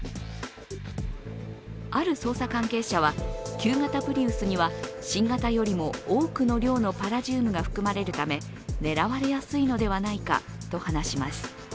ある捜査関係者は、旧型プリウスには新型よりも多くの量のパラジウムが含まれるため、狙われやすいのではないかと話します。